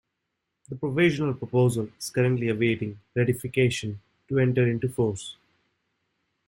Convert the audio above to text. The provisional proposal is currently awaiting ratification to enter into force.